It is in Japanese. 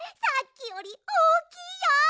さっきよりおおきいよ！